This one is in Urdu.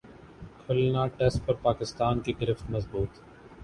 کھلنا ٹیسٹ پر پاکستان کی گرفت مضبوط